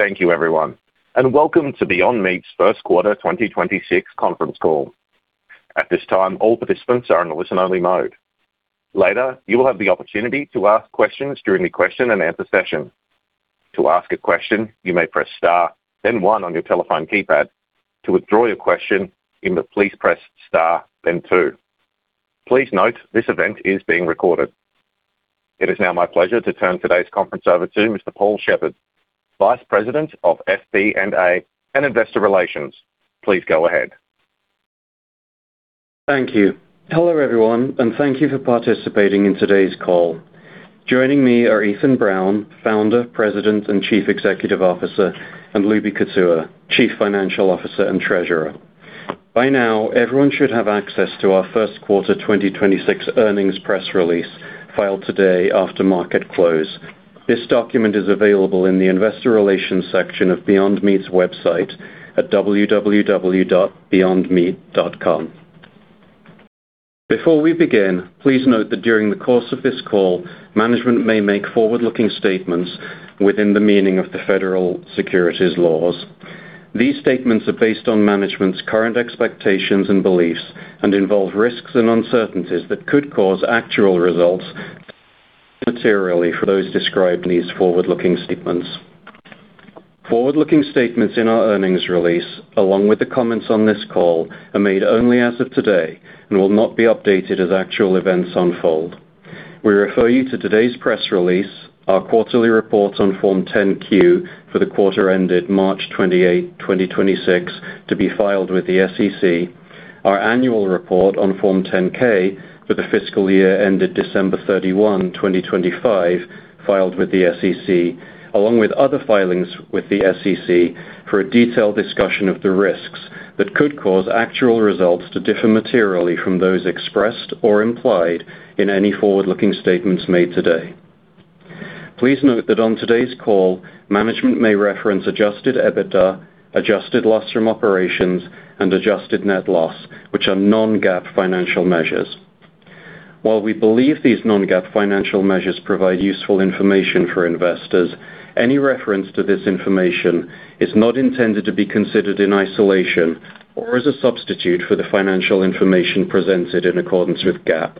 Thank you, everyone, and welcome to Beyond Meat's First Quarter 2026 Conference Call. At this time, all participants are in listen-only mode. Later, you will have the opportunity to ask questions during the question and answer session. To ask a question, you may press star then one on your telephone keypad. To withdraw your question, please press star then two. Please note, this event is being recorded. It is now my pleasure to turn today's conference over to Mr. Paul Sheppard, Vice President of FP&A and Investor Relations. Please go ahead. Thank you. Hello, everyone, and thank you for participating in today's call. Joining me are Ethan Brown, Founder, President, and Chief Executive Officer, and Lubi Kutua, Chief Financial Officer and Treasurer. By now, everyone should have access to our first quarter 2026 earnings press release filed today after market close. This document is available in the investor relations section of Beyond Meat's website at www.beyondmeat.com. Before we begin, please note that during the course of this call, management may make forward-looking statements within the meaning of the federal securities laws. These statements are based on management's current expectations and beliefs and involve risks and uncertainties that could cause actual results materially from those described in these forward-looking statements. Forward-looking statements in our earnings release, along with the comments on this call, are made only as of today and will not be updated as actual events unfold. We refer you to today's press release, our quarterly report on Form 10-Q for the quarter ended March 28, 2026, to be filed with the SEC, our annual report on Form 10-K for the fiscal year ended December 31, 2025, filed with the SEC, along with other filings with the SEC for a detailed discussion of the risks that could cause actual results to differ materially from those expressed or implied in any forward-looking statements made today. Please note that on today's call, management may reference adjusted EBITDA, adjusted loss from operations, and adjusted net loss, which are non-GAAP financial measures. While we believe these non-GAAP financial measures provide useful information for investors, any reference to this information is not intended to be considered in isolation or as a substitute for the financial information presented in accordance with GAAP.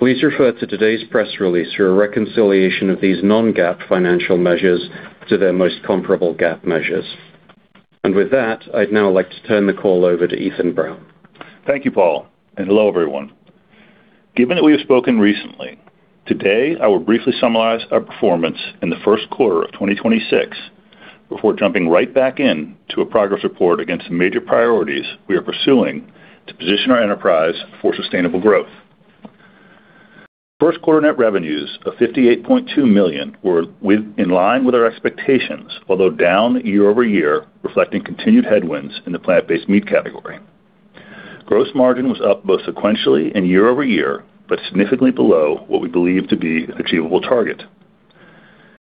Please refer to today's press release for a reconciliation of these non-GAAP financial measures to their most comparable GAAP measures. With that, I'd now like to turn the call over to Ethan Brown. Thank you, Paul, and hello, everyone. Given that we have spoken recently, today I will briefly summarize our performance in the first quarter of 2026 before jumping right back into a progress report against the major priorities we are pursuing to position our enterprise for sustainable growth. First quarter net revenues of $58.2 million were in line with our expectations, although down year-over-year, reflecting continued headwinds in the plant-based meat category. Gross margin was up both sequentially and year-over-year, but significantly below what we believe to be an achievable target.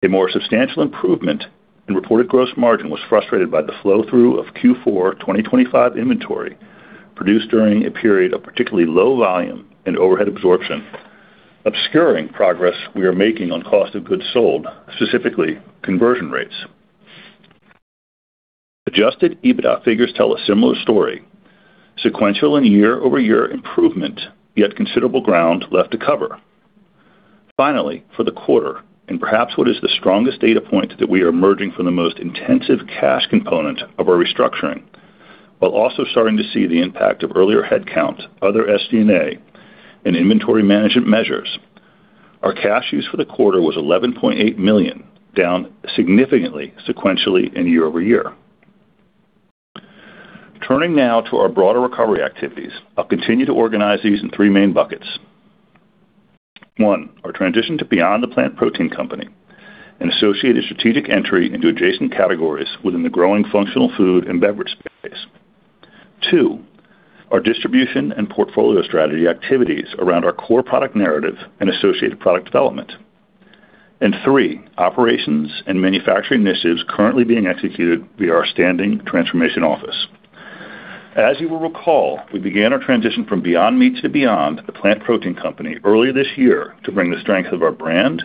A more substantial improvement in reported gross margin was frustrated by the flow-through of Q4 2025 inventory produced during a period of particularly low volume and overhead absorption, obscuring progress we are making on COGS, specifically conversion rates. Adjusted EBITDA figures tell a similar story, sequential and year-over-year improvement, yet considerable ground left to cover. For the quarter, and perhaps what is the strongest data point that we are emerging from the most intensive cash component of our restructuring, while also starting to see the impact of earlier headcount, other SG&A, and inventory management measures, our cash use for the quarter was $11.8 million, down significantly sequentially and year-over-year. To our broader recovery activities, I'll continue to organize these in three main buckets. One, our transition to beyond the plant protein company and associated strategic entry into adjacent categories within the growing functional food and beverage space. Two, our distribution and portfolio strategy activities around our core product narrative and associated product development. Three, operations and manufacturing initiatives currently being executed via our standing transformation office. As you will recall, we began our transition from Beyond Meat to Beyond, a plant protein company, earlier this year to bring the strength of our brand,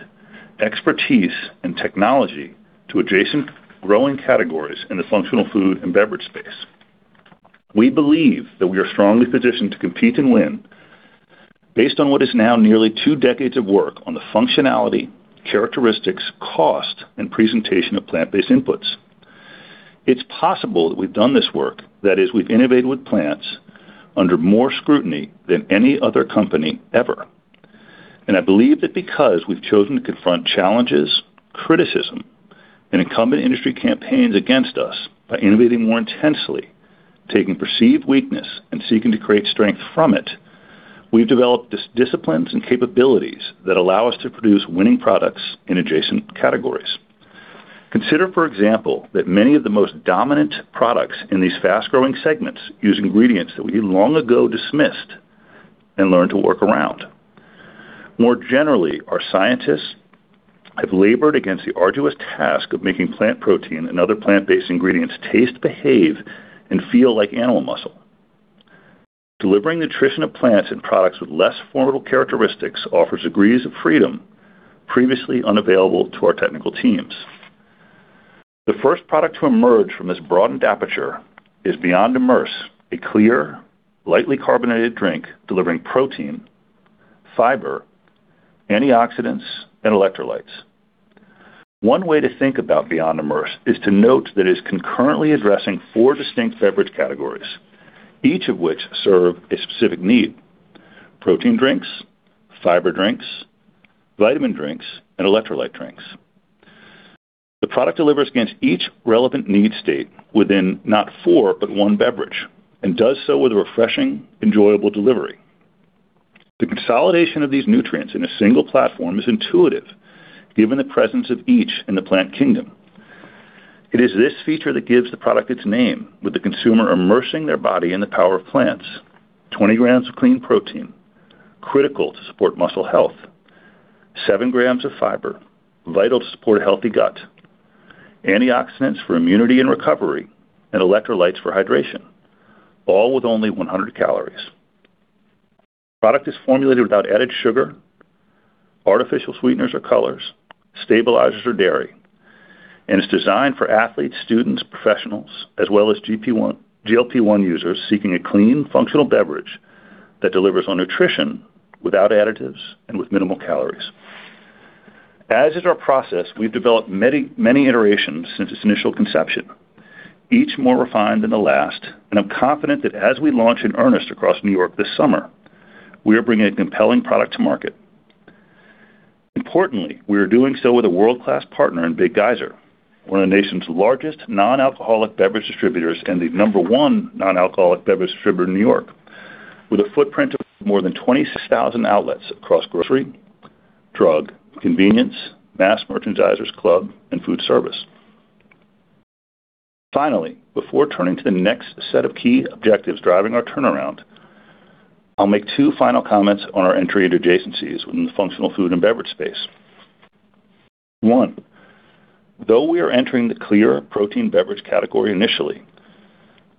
expertise, and technology to adjacent growing categories in the functional food and beverage space. We believe that we are strongly positioned to compete and win based on what is now nearly two decades of work on the functionality, characteristics, cost, and presentation of plant-based inputs. It's possible that we've done this work, that is, we've innovated with plants under more scrutiny than any other company ever. I believe that because we've chosen to confront challenges, criticism, and incumbent industry campaigns against us by innovating more intensely, taking perceived weakness and seeking to create strength from it, we've developed disciplines and capabilities that allow us to produce winning products in adjacent categories. Consider, for example, that many of the most dominant products in these fast-growing segments use ingredients that we long ago dismissed and learned to work around. More generally, our scientists have labored against the arduous task of making plant protein and other plant-based ingredients taste, behave, and feel like animal muscle. Delivering the attrition of plants in products with less formidable characteristics offers degrees of freedom previously unavailable to our technical teams. The first product to emerge from this broadened aperture is Beyond Immerse, a clear, lightly carbonated drink delivering protein, fiber, antioxidants, and electrolytes. One way to think about Beyond Immerse is to note that it is concurrently addressing four distinct beverage categories, each of which serve a specific need, protein drinks, fiber drinks, vitamin drinks, and electrolyte drinks. The product delivers against each relevant need state within not four, but one beverage, and does so with a refreshing, enjoyable delivery. The consolidation of these nutrients in a single platform is intuitive given the presence of each in the plant kingdom. It is this feature that gives the product its name, with the consumer immersing their body in the power of plants. 20 g of clean protein, critical to support muscle health. 7 g of fiber, vital to support a healthy gut. Antioxidants for immunity and recovery, and electrolytes for hydration, all with only 100 calories. The product is formulated without added sugar, artificial sweeteners or colors, stabilizers or dairy, and is designed for athletes, students, professionals, as well as GLP-1 users seeking a clean, functional beverage that delivers on nutrition without additives and with minimal calories. As is our process, we've developed many, many iterations since its initial conception, each more refined than the last. I'm confident that as we launch in earnest across New York this summer, we are bringing a compelling product to market. Importantly, we are doing so with a world-class partner in Big Geyser, one of the nation's largest non-alcoholic beverage distributors and the number one non-alcoholic beverage distributor in New York, with a footprint of more than 26,000 outlets across grocery, drug, convenience, mass merchandisers, club, and food service. Finally, before turning to the next set of key objectives driving our turnaround, I'll make two final comments on our entry into adjacencies within the functional food and beverage space. One, though we are entering the clear protein beverage category initially,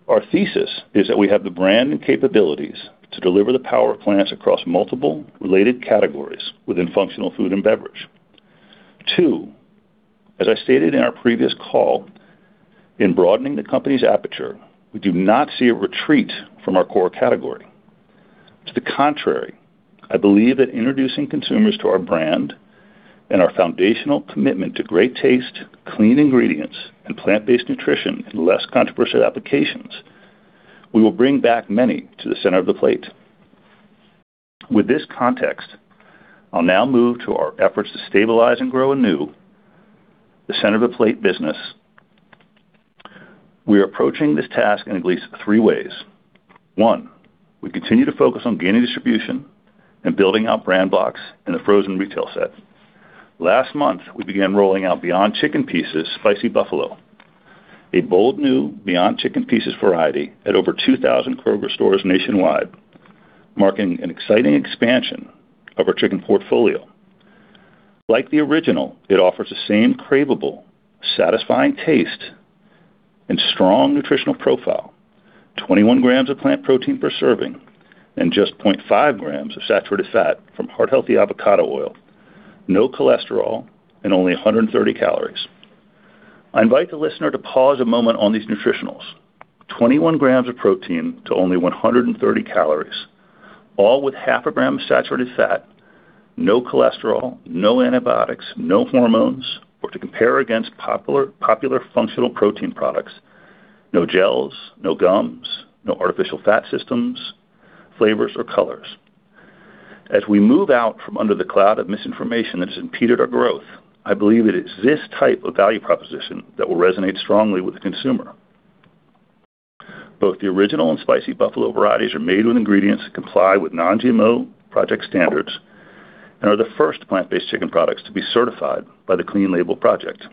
our thesis is that we have the brand and capabilities to deliver the power of plants across multiple related categories within functional food and beverage. Two, as I stated in our previous call, in broadening the company's aperture, we do not see a retreat from our core category. To the contrary, I believe that introducing consumers to our brand and our foundational commitment to great taste, clean ingredients, and plant-based nutrition in less controversial applications, we will bring back many to the center of the plate. With this context, I'll now move to our efforts to stabilize and grow anew the center of the plate business. We are approaching this task in at least three ways. One, we continue to focus on gaining distribution and building out brand blocks in the frozen retail set. Last month, we began rolling out Beyond Chicken Pieces Spicy Buffalo, a bold new Beyond Chicken Pieces variety at over 2,000 Kroger stores nationwide, marking an exciting expansion of our chicken portfolio. Like the original, it offers the same craveable, satisfying taste and strong nutritional profile, 21 g of plant protein per serving and just 0.5 g of saturated fat from heart-healthy avocado oil, no cholesterol, and only 130 calories. I invite the listener to pause a moment on these nutritionals. 21 g of protein to only 130 calories, all with half a gram of saturated fat, no cholesterol, no antibiotics, no hormones. To compare against popular functional protein products, no gels, no gums, no artificial fat systems, flavors or colors. As we move out from under the cloud of misinformation that has impeded our growth, I believe that it's this type of value proposition that will resonate strongly with the consumer. Both the original and Spicy Buffalo varieties are made with ingredients that comply with non-GMO project standards and are the first plant-based chicken products to be certified by the Clean Label Project.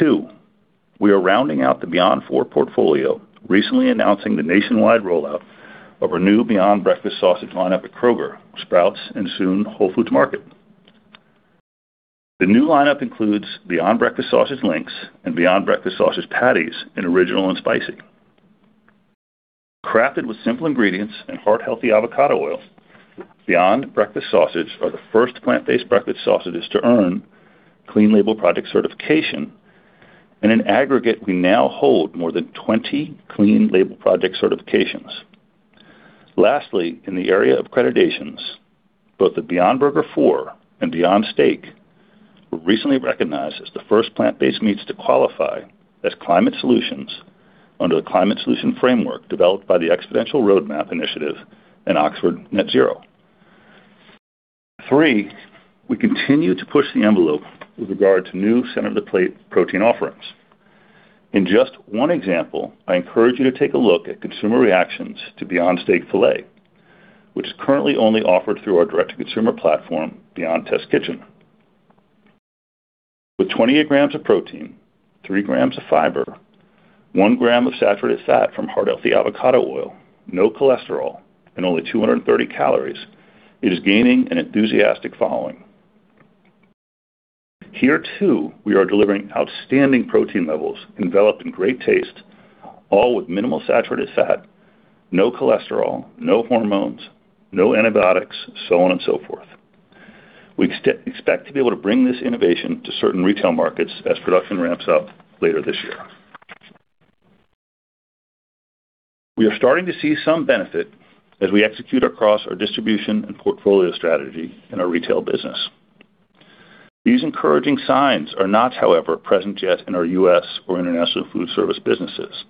Two, we are rounding out the Beyond IV portfolio, recently announcing the nationwide rollout of our new Beyond Breakfast Sausage lineup at Kroger, Sprouts, and soon, Whole Foods Market. The new lineup includes Beyond Breakfast Sausage Links and Beyond Breakfast Sausage Patties in original and spicy. Crafted with simple ingredients and heart-healthy avocado oil, Beyond Breakfast Sausage are the first plant-based breakfast sausages to earn Clean Label Project certification. In an aggregate, we now hold more than 20 Clean Label Project certifications. Lastly, in the area of accreditations, both the Beyond Burger IV and Beyond Steak were recently recognized as the first plant-based meats to qualify as Climate Solutions under the Climate Solution Framework developed by the Exponential Roadmap Initiative and Oxford Net Zero. Three, we continue to push the envelope with regard to new center-of-the-plate protein offerings. In just one example, I encourage you to take a look at consumer reactions to Beyond Steak Filet, which is currently only offered through our direct-to-consumer platform, Beyond Test Kitchen. With 28 g of protein, 3 g of fiber, 1 g of saturated fat from heart-healthy avocado oil, no cholesterol, and only 230 calories, it is gaining an enthusiastic following. Here, too, we are delivering outstanding protein levels enveloped in great taste, all with minimal saturated fat, no cholesterol, no hormones, no antibiotics, so on and so forth. We expect to be able to bring this innovation to certain retail markets as production ramps up later this year. We are starting to see some benefit as we execute across our distribution and portfolio strategy in our retail business. These encouraging signs are not, however, present yet in our U.S. or international food service businesses.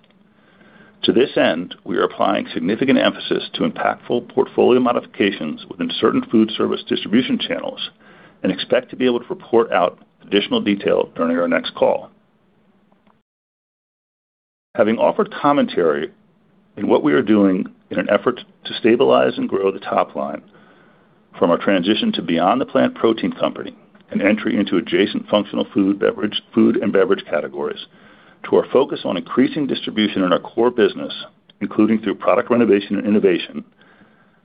To this end, we are applying significant emphasis to impactful portfolio modifications within certain food service distribution channels and expect to be able to report out additional detail during our next call. Having offered commentary in what we are doing in an effort to stabilize and grow the top line from our transition to beyond the plant protein company and entry into adjacent functional food, beverage, food and beverage categories, to our focus on increasing distribution in our core business, including through product renovation and innovation,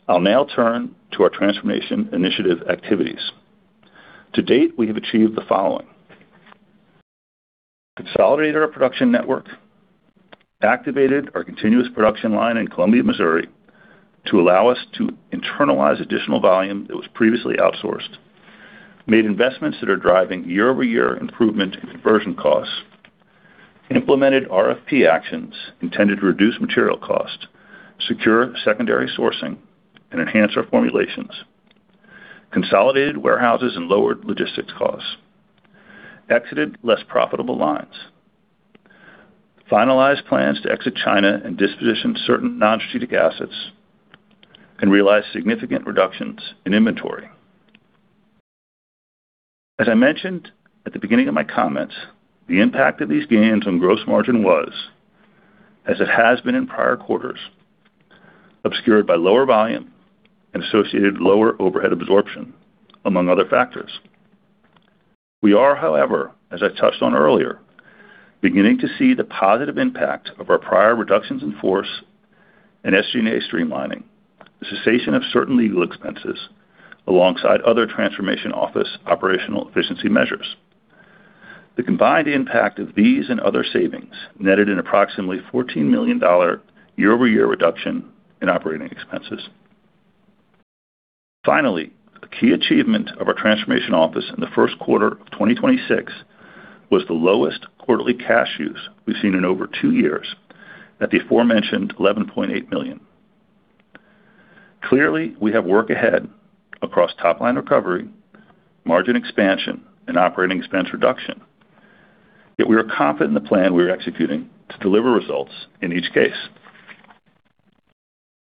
I'll now turn to our transformation initiative activities. To date, we have achieved the following: consolidated our production network, activated our continuous production line in Columbia, Missouri, to allow us to internalize additional volume that was previously outsourced, made investments that are driving year-over-year improvement in conversion costs, implemented RFP actions intended to reduce material costs, secure secondary sourcing, and enhance our formulations, consolidated warehouses and lowered logistics costs, exited less profitable lines, finalized plans to exit China and dispositioned certain non-strategic assets, and realized significant reductions in inventory. As I mentioned at the beginning of my comments, the impact of these gains on gross margin was, as it has been in prior quarters, obscured by lower volume and associated lower overhead absorption, among other factors. We are, however, as I touched on earlier, beginning to see the positive impact of our prior reductions in force and SG&A streamlining, the cessation of certain legal expenses alongside other transformation office operational efficiency measures. The combined impact of these and other savings netted an approximately $14 million year-over-year reduction in operating expenses. Finally, a key achievement of our transformation office in the first quarter of 2026 was the lowest quarterly cash use we've seen in over two years at the aforementioned $11.8 million. Clearly, we have work ahead across top-line recovery, margin expansion, and operating expense reduction, yet we are confident in the plan we are executing to deliver results in each case.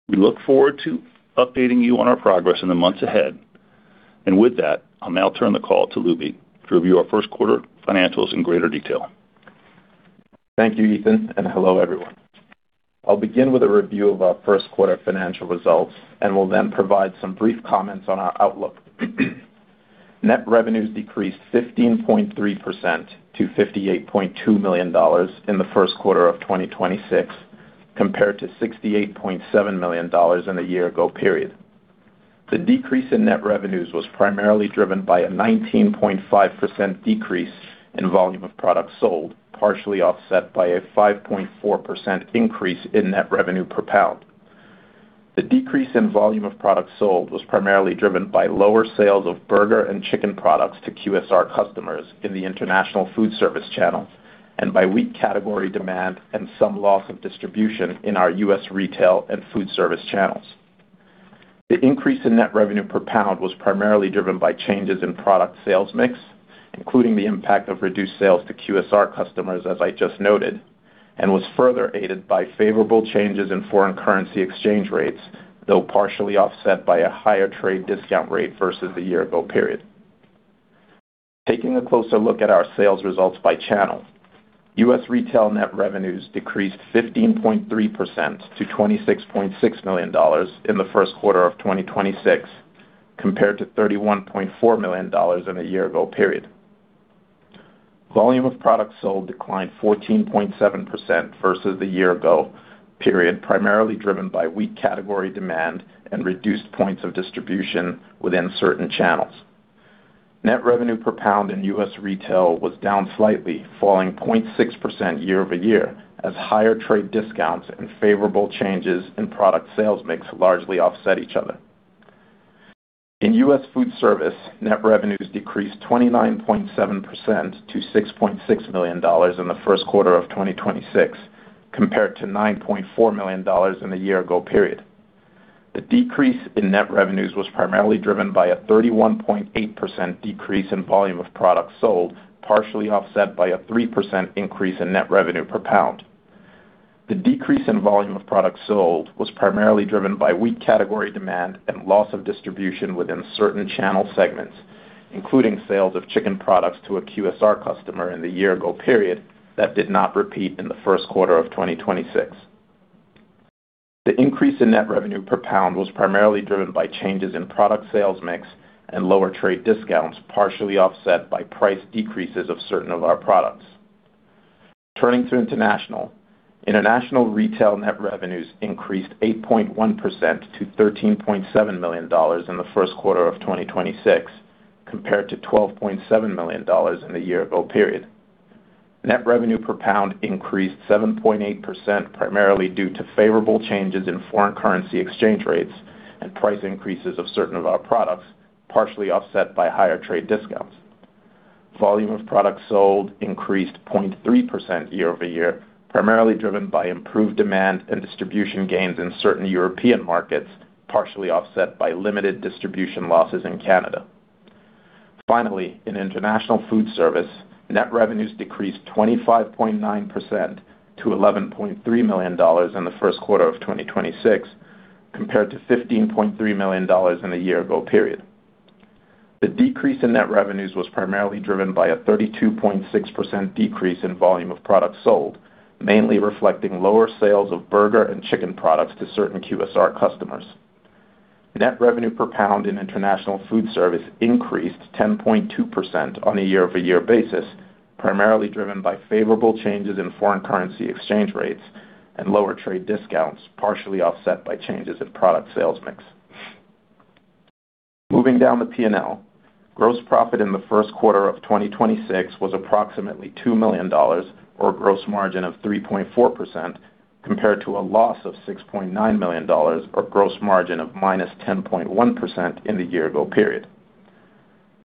We look forward to updating you on our progress in the months ahead. With that, I'll now turn the call to Lubi to review our first quarter financials in greater detail. Thank you, Ethan, and hello, everyone. I'll begin with a review of our first quarter financial results, and will then provide some brief comments on our outlook. Net revenues decreased 15.3% to $58.2 million in the first quarter of 2026 compared to $68.7 million in the year ago period. The decrease in net revenues was primarily driven by a 19.5% decrease in volume of products sold, partially offset by a 5.4% increase in net revenue per pound. The decrease in volume of products sold was primarily driven by lower sales of burger and chicken products to QSR customers in the international food service channel and by weak category demand and some loss of distribution in our U.S. retail and food service channels. The increase in net revenue per pound was primarily driven by changes in product sales mix, including the impact of reduced sales to QSR customers, as I just noted, and was further aided by favorable changes in foreign currency exchange rates, though partially offset by a higher trade discount rate versus the year-ago period. Taking a closer look at our sales results by channel. U.S. retail net revenues decreased 15.3% to $26.6 million in the first quarter of 2026 Compared to $31.4 million in the year-ago period. Volume of products sold declined 14.7% versus the year-ago period, primarily driven by weak category demand and reduced points of distribution within certain channels. Net revenue per pound in U.S. retail was down slightly, falling 0.6% year-over-year as higher trade discounts and favorable changes in product sales mix largely offset each other. In U.S. food service, net revenues decreased 29.7% to $6.6 million in the first quarter of 2026 compared to $9.4 million in the year ago period. The decrease in net revenues was primarily driven by a 31.8% decrease in volume of products sold, partially offset by a 3% increase in net revenue per pound. The decrease in volume of products sold was primarily driven by weak category demand and loss of distribution within certain channel segments, including sales of chicken products to a QSR customer in the year ago period that did not repeat in the first quarter of 2026. The increase in net revenue per pound was primarily driven by changes in product sales mix and lower trade discounts, partially offset by price decreases of certain of our products. Turning to international. International retail net revenues increased 8.1% to $13.7 million in the first quarter of 2026 compared to $12.7 million in the year-ago period. Net revenue per pound increased 7.8% primarily due to favorable changes in foreign currency exchange rates and price increases of certain of our products, partially offset by higher trade discounts. Volume of products sold increased 0.3% year-over-year, primarily driven by improved demand and distribution gains in certain European markets, partially offset by limited distribution losses in Canada. Finally, in international food service, net revenues decreased 25.9% to $11.3 million in the first quarter of 2026 compared to $15.3 million in the year-ago period. The decrease in net revenues was primarily driven by a 32.6% decrease in volume of products sold, mainly reflecting lower sales of burger and chicken products to certain QSR customers. Net revenue per pound in international food service increased 10.2% on a year-over-year basis, primarily driven by favorable changes in foreign currency exchange rates and lower trade discounts, partially offset by changes in product sales mix. Moving down the P&L, gross profit in the first quarter of 2026 was approximately $2 million or a gross margin of 3.4% compared to a loss of $6.9 million or gross margin of -10.1% in the year ago period.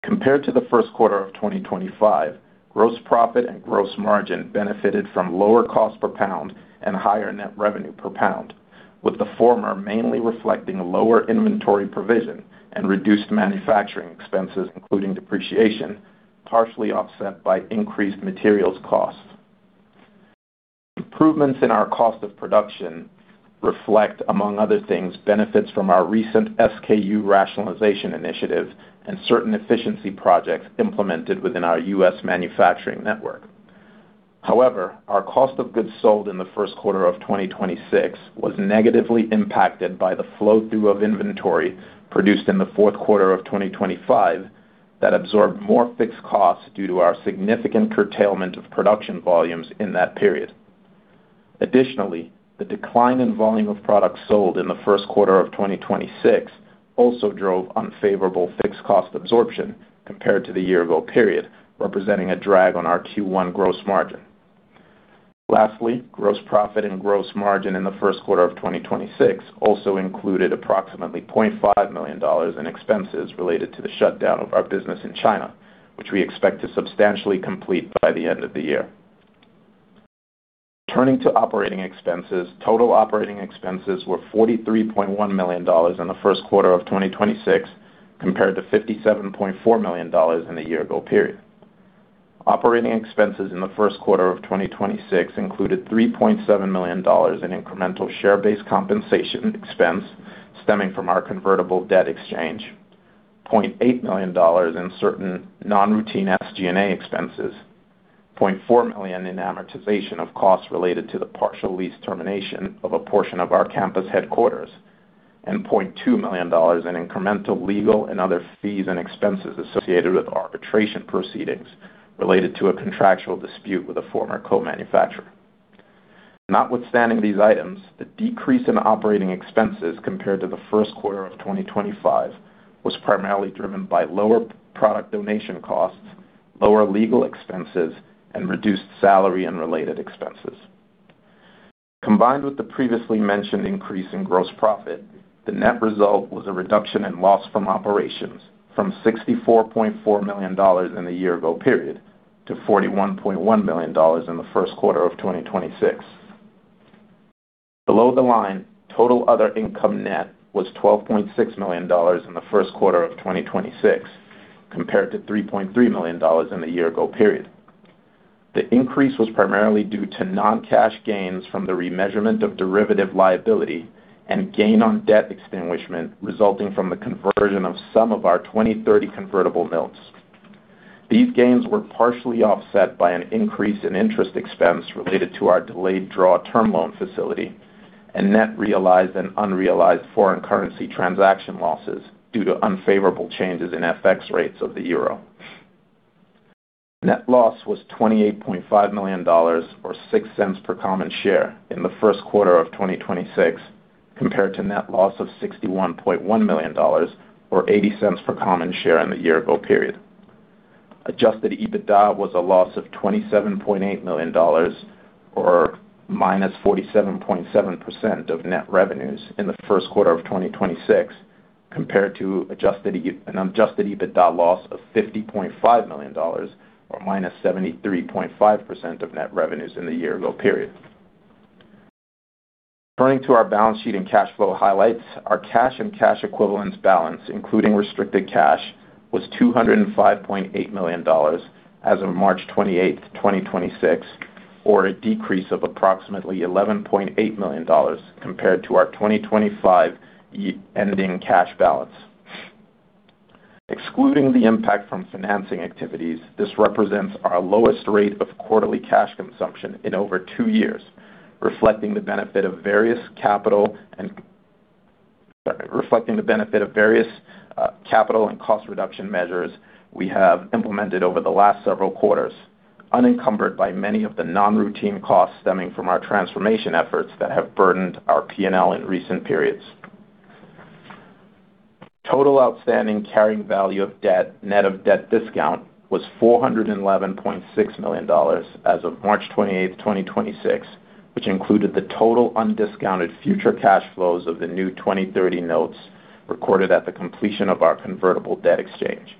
Compared to the first quarter of 2025, gross profit and gross margin benefited from lower cost per pound and higher net revenue per pound, with the former mainly reflecting lower inventory provision and reduced manufacturing expenses, including depreciation, partially offset by increased materials costs. Improvements in our cost of production reflect, among other things, benefits from our recent SKU rationalization initiative and certain efficiency projects implemented within our U.S. manufacturing network. Our cost of goods sold in the first quarter of 2026 was negatively impacted by the flow-through of inventory produced in the fourth quarter of 2025 that absorbed more fixed costs due to our significant curtailment of production volumes in that period. The decline in volume of products sold in the first quarter of 2026 also drove unfavorable fixed cost absorption compared to the year ago period, representing a drag on our Q1 gross margin. Gross profit and gross margin in the first quarter of 2026 also included approximately $0.5 million in expenses related to the shutdown of our business in China, which we expect to substantially complete by the end of the year. Turning to operating expenses, total operating expenses were $43.1 million in the first quarter of 2026 compared to $57.4 million in the year ago period. Operating expenses in the first quarter of 2026 included $3.7 million in incremental share-based compensation expense stemming from our convertible debt exchange, $0.8 million in certain non-routine SG&A expenses, $0.4 million in amortization of costs related to the partial lease termination of a portion of our campus headquarters, and $0.2 million in incremental legal and other fees and expenses associated with arbitration proceedings related to a contractual dispute with a former co-manufacturer. Notwithstanding these items, the decrease in operating expenses compared to the first quarter of 2025 was primarily driven by lower product donation costs, lower legal expenses, and reduced salary and related expenses. Combined with the previously mentioned increase in gross profit, the net result was a reduction in loss from operations from $64.4 million in the year ago period to $41.1 million in the first quarter of 2026. Below the line, total other income net was $12.6 million in the first quarter of 2026 compared to $3.3 million in the year ago period. The increase was primarily due to non-cash gains from the remeasurement of derivative liability and gain on debt extinguishment resulting from the conversion of some of our 2030 convertible notes. These gains were partially offset by an increase in interest expense related to our delayed draw term loan facility and net realized and unrealized foreign currency transaction losses due to unfavorable changes in FX rates of the euro. Net loss was $28.5 million or $0.06 per common share in the first quarter of 2026 compared to net loss of $61.1 million or $0.80 per common share in the year-ago period. Adjusted EBITDA was a loss of $27.8 million or -47.7% of net revenues in the first quarter of 2026 compared to an adjusted EBITDA loss of $50.5 million or -73.5% of net revenues in the year-ago period. Turning to our balance sheet and cash flow highlights, our cash and cash equivalents balance, including restricted cash, was $205.8 million as of March 28, 2026, or a decrease of approximately $11.8 million compared to our 2025 ending cash balance. Excluding the impact from financing activities, this represents our lowest rate of quarterly cash consumption in over two years, reflecting the benefit of various capital and reflecting the benefit of various capital and cost reduction measures we have implemented over the last several quarters, unencumbered by many of the non-routine costs stemming from our transformation efforts that have burdened our P&L in recent periods. Total outstanding carrying value of debt, net of debt discount, was $411.6 million as of March 28, 2026, which included the total undiscounted future cash flows of the new 2030 notes recorded at the completion of our convertible debt exchange.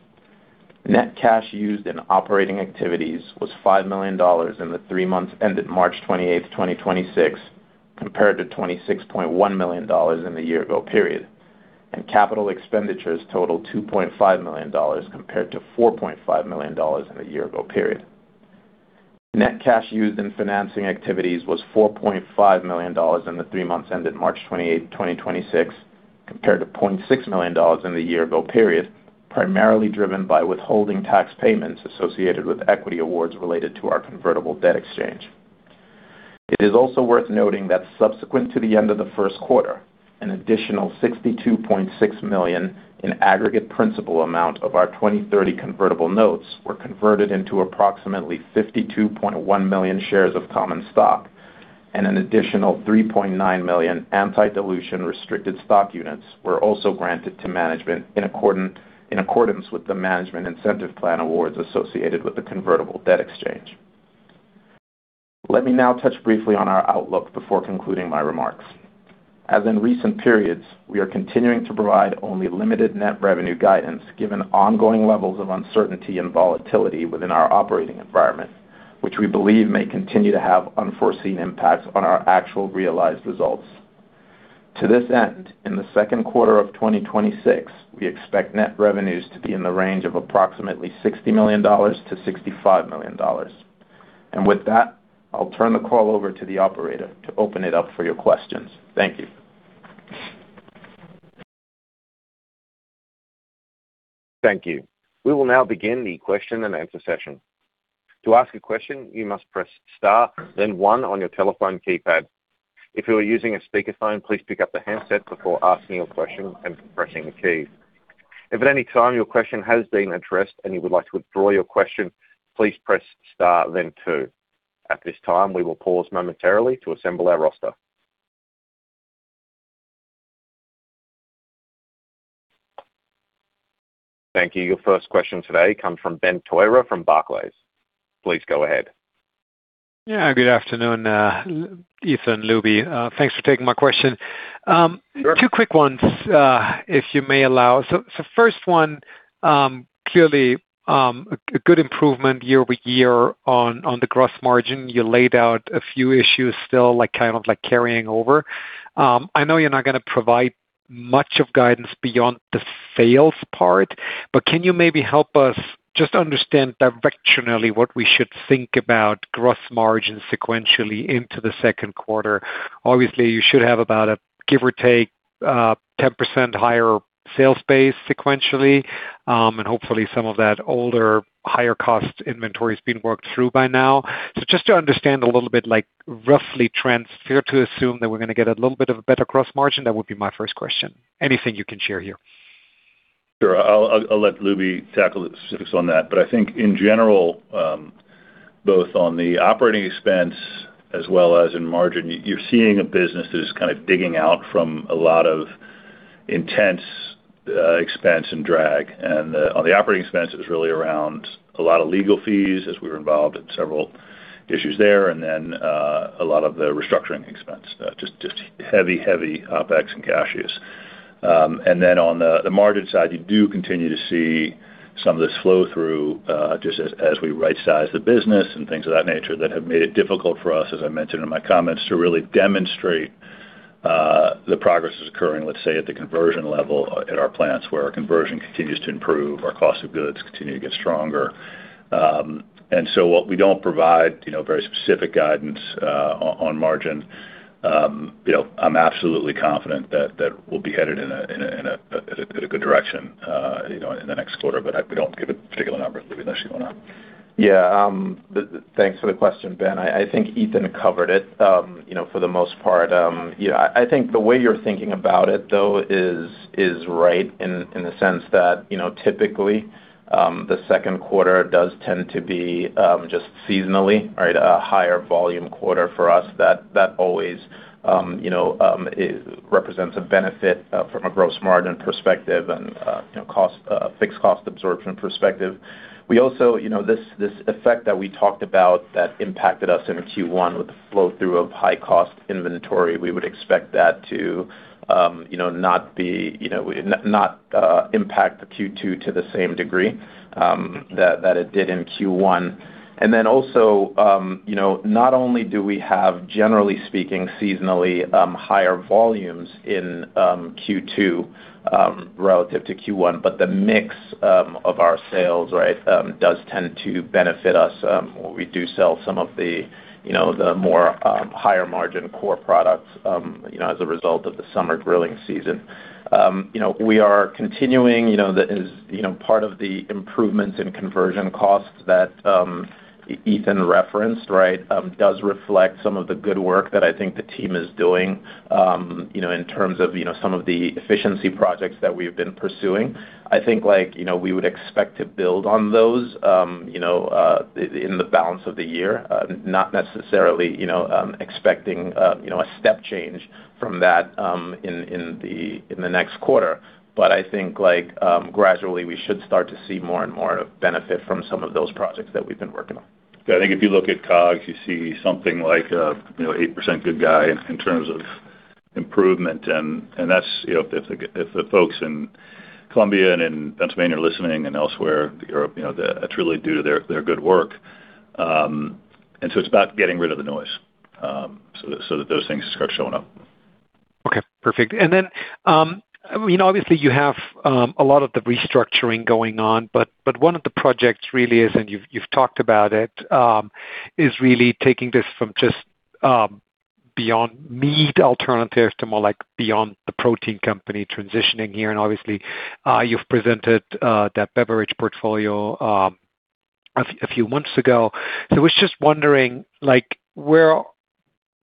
Net cash used in operating activities was $5 million in the three months ended March 28, 2026, compared to $26.1 million in the year-ago period. Capital expenditures totaled $2.5 million compared to $4.5 million in the year-ago period. Net cash used in financing activities was $4.5 million in the three months ended March 28, 2026, compared to $0.6 million in the year-ago period, primarily driven by withholding tax payments associated with equity awards related to our convertible debt exchange. It is also worth noting that subsequent to the end of the first quarter, an additional $62.6 million in aggregate principal amount of our 2030 convertible notes were converted into approximately $52.1 million shares of common stock, and an additional $3.9 million anti-dilution restricted stock units were also granted to management in accordance with the management incentive plan awards associated with the convertible debt exchange. Let me now touch briefly on our outlook before concluding my remarks. As in recent periods, we are continuing to provide only limited net revenue guidance given ongoing levels of uncertainty and volatility within our operating environment, which we believe may continue to have unforeseen impacts on our actual realized results. To this end, in the second quarter of 2026, we expect net revenues to be in the range of approximately $60 million-$65 million. With that, I'll turn the call over to the operator to open it up for your questions. Thank you. Thank you. We will now begin the question-and-answer session. To ask a question, you must press star then one on your telephone keypad. If you are using a speakerphone, please pick up the handset before asking your question and pressing the key. If at any time your question has been addressed and you would like to withdraw your question, please press star then two. At this time, we will pause momentarily to assemble our roster. Thank you. Your first question today comes from Ben Theurer from Barclays. Please go ahead. Yeah, good afternoon, Ethan, Lubi. Thanks for taking my question. Sure. Two quick ones, if you may allow. First one, clearly, a good improvement year-over-year on the gross margin. You laid out a few issues still like kind of like carrying over. I know you're not gonna provide much of guidance beyond the sales part, but can you maybe help us just understand directionally what we should think about gross margin sequentially into the second quarter? Obviously, you should have about a give or take, 10% higher sales base sequentially, and hopefully some of that older higher cost inventory is being worked through by now. Just to understand a little bit like roughly trends, fair to assume that we're gonna get a little bit of a better gross margin, that would be my first question. Anything you can share here. Sure. I'll let Lubi tackle the specifics on that. I think in general, both on the operating expense as well as in margin, you're seeing a business that is kind of digging out from a lot of intense expense and drag. On the operating expense, it was really around a lot of legal fees as we were involved in several issues there and then a lot of the restructuring expense, just heavy OpEx and cash use. On the margin side, you do continue to see some of this flow through, just as we right-size the business and things of that nature that have made it difficult for us, as I mentioned in my comments, to really demonstrate the progress that's occurring, let's say, at the conversion level at our plants where our conversion continues to improve, our cost of goods continue to get stronger. While we don't provide, you know, very specific guidance, on margin, you know, I'm absolutely confident that we'll be headed in a good direction, you know, in the next quarter. We don't give a particular number. Lubi, unless you wanna. Yeah. Thanks for the question, Ben. I think Ethan covered it, you know, for the most part. Yeah, I think the way you're thinking about it, though, is right in the sense that, you know, typically, the second quarter does tend to be just seasonally, right, a higher volume quarter for us. That always, you know, represents a benefit from a gross margin perspective and, you know, fixed cost absorption perspective. We also, you know, this effect that we talked about that impacted us in Q1 with the flow-through of high-cost inventory, we would expect that to, you know, not be, you know, not impact the Q2 to the same degree that it did in Q1. Also, you know, not only do we have, generally speaking, seasonally, higher volumes in Q2 relative to Q1, but the mix of our sales, right, does tend to benefit us when we do sell some of the, you know, the more higher margin core products, you know, as a result of the summer grilling season. You know, we are continuing, you know, as part of the improvements in conversion costs that Ethan referenced, right, does reflect some of the good work that I think the team is doing, you know, in terms of, you know, some of the efficiency projects that we've been pursuing. I think, like, you know, we would expect to build on those, you know, in the balance of the year, not necessarily, you know, expecting, you know, a step change from that, in the, in the next quarter. I think, like, gradually we should start to see more and more benefit from some of those projects that we've been working on. Yeah, I think if you look at COGS, you see something like a, you know, 8% good guy in terms of improvement. That's, you know, if the, if the folks in Columbia and in Pennsylvania are listening and elsewhere, Europe, you know, that's really due to their good work. It's about getting rid of the noise, so that those things start showing up. Okay, perfect. You know, obviously you have a lot of the restructuring going on, but one of the projects really is, and you've talked about it, is really taking this from just Beyond Meat alternatives to more like Beyond the protein company transitioning here. Obviously, you've presented that beverage portfolio a few months ago. I was just wondering, like,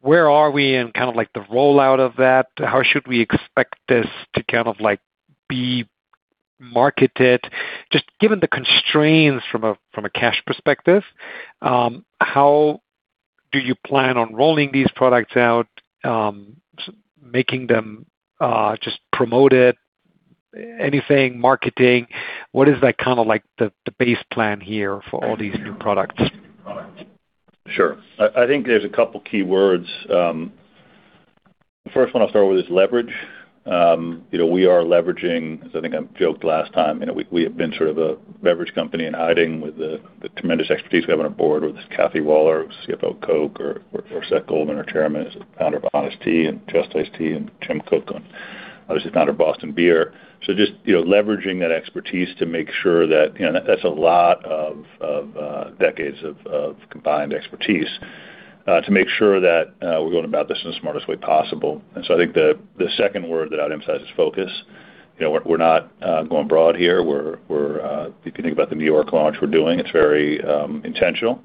where are we in kind of like the rollout of that? How should we expect this to kind of like be marketed? Just given the constraints from a cash perspective, how do you plan on rolling these products out, making them just promoted? Anything marketing? What is that kind of like the base plan here for all these new products? Sure. I think there's a couple key words. First one I'll start with is leverage. You know, we are leveraging, as I think I joked last time, you know, we have been sort of a beverage company in hiding with the tremendous expertise we have on our board, whether it's Kathy Waller, CFO of The Coca-Cola Company, or Seth Goldman, our Chairman, is the founder of Honest Tea and Just Ice Tea, and Jim Koch, obviously founder of Boston Beer Company. Just, you know, leveraging that expertise to make sure that, you know, that's a lot of decades of combined expertise, to make sure that, we're going about this in the smartest way possible. I think the second word that I'd emphasize is focus. You know, we're not going broad here. We're, if you think about the New York launch we're doing, it's very intentional.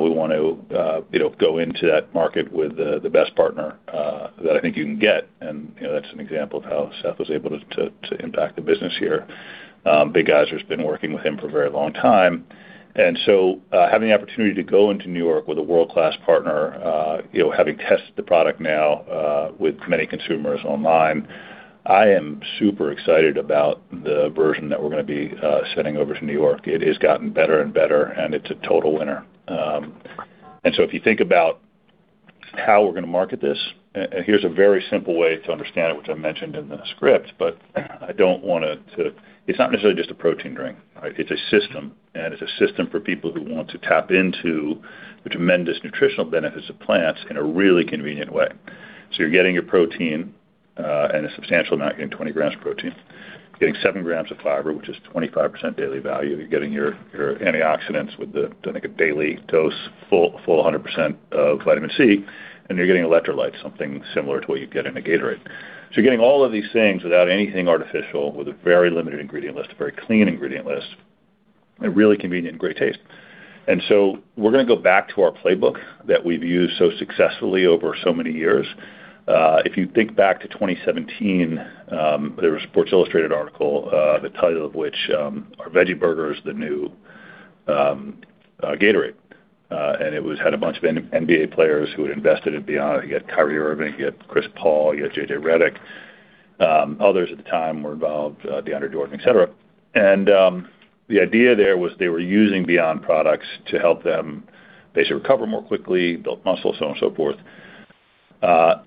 We want to, you know, go into that market with the best partner that I think you can get. You know, that's an example of how Seth was able to impact the business here. Big Geyser's been working with him for a very long time. Having the opportunity to go into New York with a world-class partner, you know, having tested the product now with many consumers online, I am super excited about the version that we're gonna be sending over to New York. It has gotten better and better, it's a total winner. If you think about how we're gonna market this, here's a very simple way to understand it, which I mentioned in the script. It's not necessarily just a protein drink, right? It's a system, and it's a system for people who want to tap into the tremendous nutritional benefits of plants in a really convenient way. You're getting your protein, and a substantial amount. You're getting 20 g of protein. You're getting 7 g of fiber, which is 25% daily value. You're getting your antioxidants with the, I think, a daily dose, full 100% of vitamin C, and you're getting electrolytes, something similar to what you'd get in a Gatorade. You're getting all of these things without anything artificial, with a very limited ingredient list, a very clean ingredient list, a really convenient and great taste. We're gonna go back to our playbook that we've used so successfully over so many years. If you think back to 2017, there was a Sports Illustrated article, the title of which, Are Veggie Burgers the New Gatorade? It had a bunch of NBA players who had invested in Beyond. You had Kyrie Irving, you had Chris Paul, you had JJ Redick. Others at the time were involved, DeAndre Jordan, et cetera. The idea there was they were using Beyond products to help them basically recover more quickly, build muscle, so on and so forth.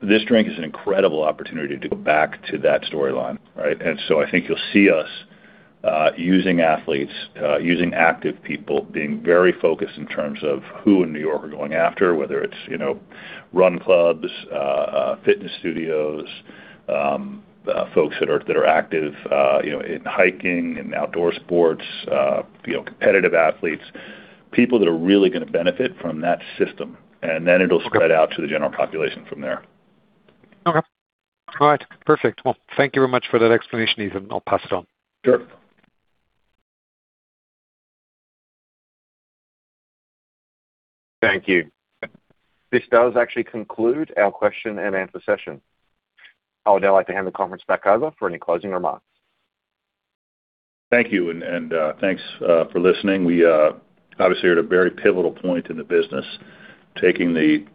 This drink is an incredible opportunity to go back to that storyline, right? I think you'll see us using athletes, using active people, being very focused in terms of who in New York we're going after, whether it's, you know, run clubs, fitness studios, folks that are active, you know, in hiking and outdoor sports, you know, competitive athletes, people that are really gonna benefit from that system. Then it'll spread out to the general population from there. Okay. All right. Perfect. Well, thank you very much for that explanation, Ethan. I'll pass it on. Sure. Thank you. This does actually conclude our question and answer session. I would now like to hand the conference back over for any closing remarks. Thank you. Thanks for listening. We obviously are at a very pivotal point in the business, taking the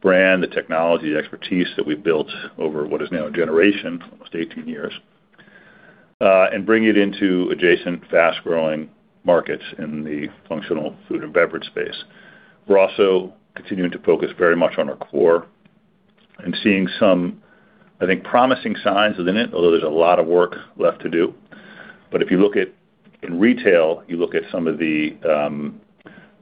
brand, the technology expertise that we've built over what is now a generation, almost 18 years, and bring it into adjacent fast-growing markets in the functional food and beverage space. We're also continuing to focus very much on our core and seeing some, I think, promising signs within it, although there's a lot of work left to do. If you look at, in retail, you look at some of the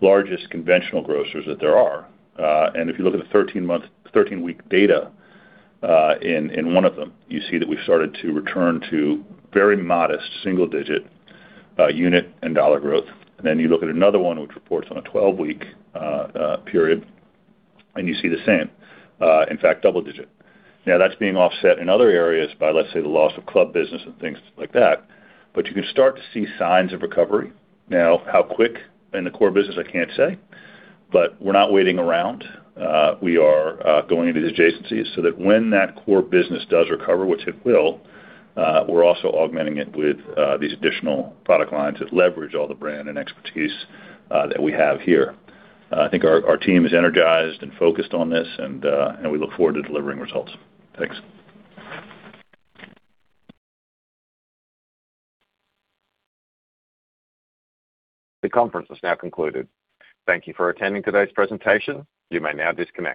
largest conventional grocers that there are, and if you look at the 13-week data, in one of them, you see that we've started to return to very modest single-digit unit and dollar growth. You look at another one which reports on a 12-week period, and you see the same, in fact, double-digit. That's being offset in other areas by, let's say, the loss of club business and things like that. You can start to see signs of recovery. How quick in the core business? I can't say. We're not waiting around. We are going into the adjacencies so that when that core business does recover, which it will, we're also augmenting it with these additional product lines that leverage all the brand and expertise that we have here. I think our team is energized and focused on this, and we look forward to delivering results. Thanks. The conference has now concluded. Thank you for attending today's presentation. You may now disconnect.